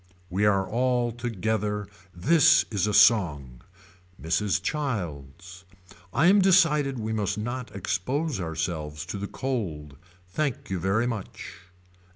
We are all together. This is a song. Mrs. Childs. I am decided we must not expose ourselves to the cold. Thank you very much.